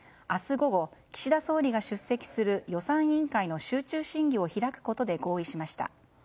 午後、岸田総理が出席する予算委員会の集中審議を開くことで合意しました。